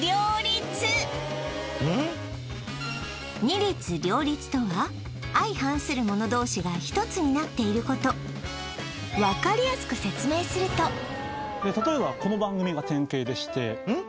二律両立とは相反するもの同士が一つになっていること分かりやすく説明すると例えばこの番組が典型でしてうん？